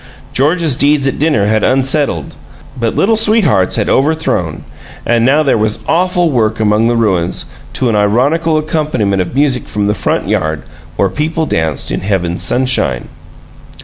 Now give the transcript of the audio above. George's deeds at dinner had unsettled, but Little Sweethearts had overthrown and now there was awful work among the ruins, to an ironical accompaniment of music from the front yard, where people danced in heaven's sunshine!